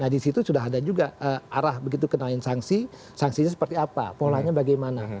di situ sudah ada juga arah begitu kenaikan sanksi sanksinya seperti apa polanya bagaimana